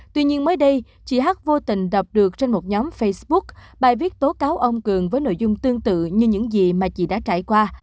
tuy nhiên mới đây chị hát vô tình đọc được trên một nhóm facebook bài viết tố cáo ông cường với nội dung tương tự như những gì mà chị đã trải qua